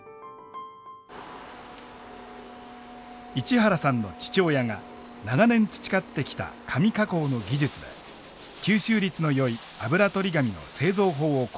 市原さんの父親が長年培ってきた紙加工の技術で吸収率のよいあぶらとり紙の製造法を考案しました。